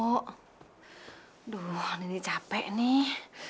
aduh nini capek nih